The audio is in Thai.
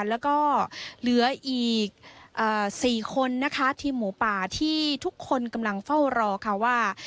แล้วก็เหลืออีก๔คนนะคะทีมหมูป่าที่ทุกคนกำลังเฝ้ารอค่ะว่า